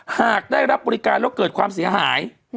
หากได้รับบริการแล้วเกิดความเสียหาย